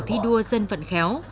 thi đua dân vận khéo